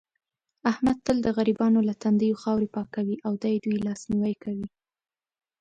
احمد تل د غریبانو له تندیو خاورې پاکوي او دې دوی لاس نیوی کوي.